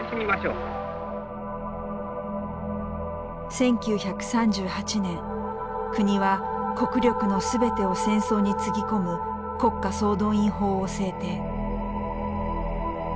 １９３８年国は国力の全てを戦争につぎ込む国家総動員法を制定。